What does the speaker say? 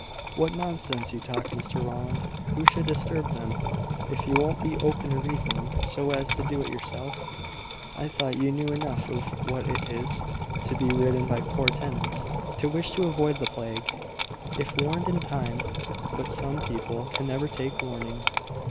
"What nonsense you talk, Mr Rowland! Who should disturb them, if you won't be open to reason, so as to do it yourself? I thought you knew enough of what it is to be ridden by poor tenants, to wish to avoid the plague, if warned in time. But some people can never take warning."